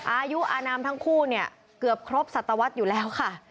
อายุอนามทั้งคู่เนี่ยเกือบครบสัตวรรษอยู่แล้วค่ะ